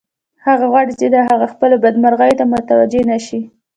هغه غواړي چې هغوی خپلو بدمرغیو ته متوجه نشي